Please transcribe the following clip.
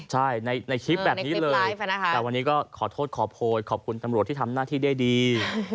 ใช่ในคลิปแบบนี้เลยแต่วันนี้ก็ขอโทษขอโพยขอบคุณตำรวจที่ทำหน้าที่ได้ดี